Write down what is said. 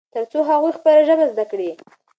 ترڅو هغوی خپله ژبه زده کړي.